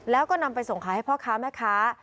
แล้วก็นำไปส่งขายให้พ่อค้าแม่ค้า